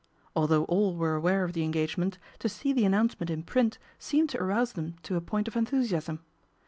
Although all were I aware of the engagement, to see the announcement in print seemed to arouse them to a point of enthusiasm.